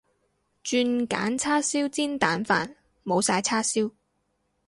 轉揀叉燒煎蛋飯，冇晒叉燒